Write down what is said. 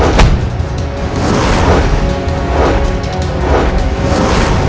hidup gedung gini